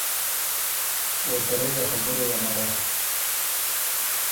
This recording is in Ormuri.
او ته رئ ا خبُرئ امرا۔